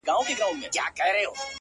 • سیاه پوسي ده، ژوند تفسیرېږي،